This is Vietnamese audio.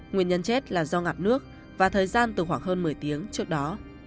nguyên nhân chết là do ngặt nước và thời gian từ khoảng hơn một mươi tiếng trước đó